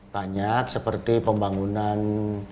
banyak seperti pembangunan